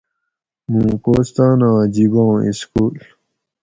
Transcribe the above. مُوں کوستاناں جِباں اِسکول